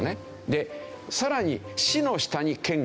でさらに。